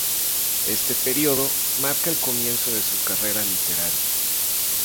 Este período marca el comienzo de su carrera literaria.